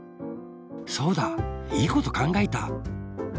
そうだいいことかんがえた！